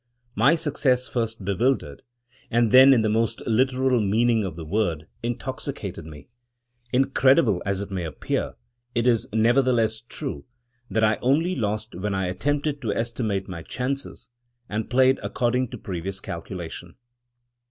My success first bewildered, and then, in the most literal meaning of the word, intoxicated me. Incredible as it may appear, it is nevertheless true, that I only lost when I attempted to estimate chances, and played according to previous calculation.